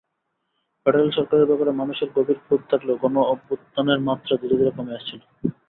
Federal সরকারের ব্যাপারে মানুষের গভীর ক্রোধ থাকলেও অভ্যুত্থানের মাত্রা ধীরে ধীরে কমে আসছিল।